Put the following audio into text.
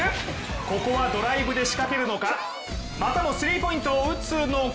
ここはドライブで仕掛けるのか、またもスリーポイントを打つのか。